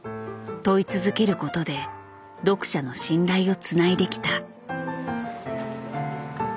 問い続けることで読者の信頼をつないできた。